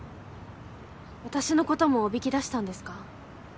私のこともおびき出したんですか？